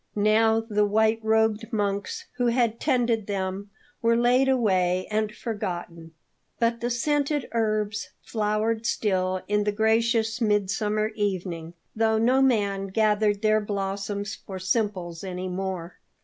Now the white robed monks who had tended them were laid away and forgotten; but the scented herbs flowered still in the gracious mid summer evening, though no man gathered their blossoms for simples any more.